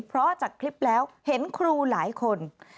เพราะจากคลิปแล้วเห็นครูหลายคน